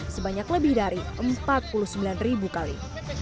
sebanyak lebih dari empat puluh sembilan ribu kali